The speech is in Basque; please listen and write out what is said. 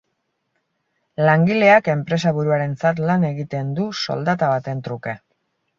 Langileak enpresaburuarentzat lan egiten du soldata baten truke.